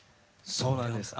そうなんです。